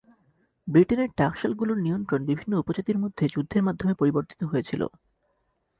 ব্রিটেনের টাকশালগুলোর নিয়ন্ত্রণ বিভিন্ন উপজাতির মধ্যে যুদ্ধের মাধ্যমে পরিবর্তিত হয়েছিল।